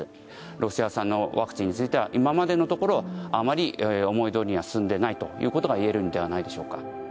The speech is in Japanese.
ロシア産のワクチンについては今までのところあまり思いどおりには進んでないということがいえるんではないでしょうか。